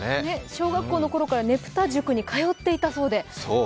小学校のころからねぷた塾に通っていたそうで。